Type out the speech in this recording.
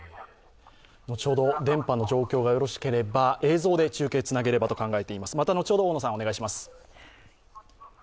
ちょうど電波の状況がよろしければ映像で中継をつなげればと考えています。